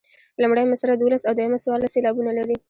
لومړۍ مصرع دولس او دویمه څوارلس سېلابونه لري.